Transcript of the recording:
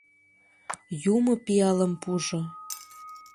«Юмо пиалым пужо.